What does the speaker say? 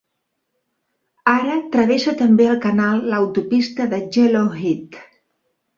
Ara travessa també el canal l'autopista de Yellowhead.